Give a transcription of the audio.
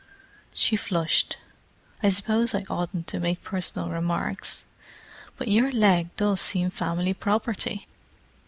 She flushed. "I suppose I oughtn't to make personal remarks, but your leg does seem family property!"